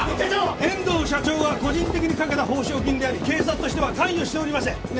遠藤社長が個人的にかけた報奨金であり警察としては関与しておりません。ね？